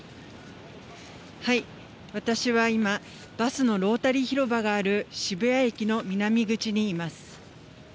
私は今、バスのロータリー広場がある、渋谷駅の南口にいます。